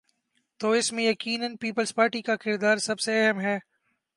تو اس میں یقینا پیپلزپارٹی کا کردار سب سے اہم ہے۔